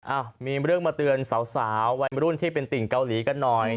อ้าวมีเรื่องมาเตือนสาววัยมรุ่นที่เป็นติ่งเกาหลีกันหน่อย